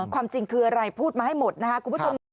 ความจริงคืออะไรพูดมาให้หมดนะครับคุณผู้ชมค่ะ